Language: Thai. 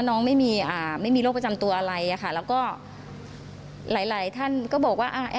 น้องไม่มีอ่าไม่มีไม่มีโรคประจำตัวอะไรอะค่ะแล้วก็หลายหลายท่านก็บอกว่าอ่า